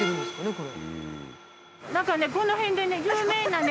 これ。